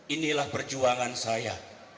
inilah perjuangan saya